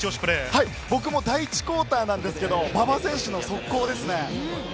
僕も第１クオーターなんですが、馬場選手の速攻ですね。